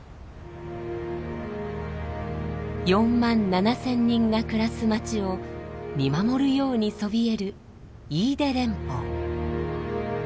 ４万７，０００人が暮らす街を見守るようにそびえる飯豊連峰。